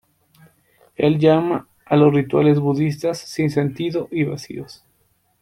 Él llama a los rituales budistas "sin sentido" y "vacíos".